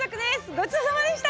ごちそうさまでした！